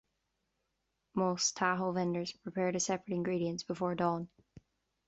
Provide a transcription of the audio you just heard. Most taho vendors prepare the separate ingredients before dawn.